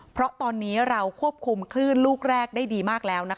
เพราะตอนนี้เราควบคุมคลื่นลูกแรกได้ดีมากแล้ว